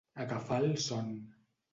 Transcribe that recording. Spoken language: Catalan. Agafar el son.